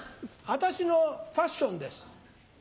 私のファッションです。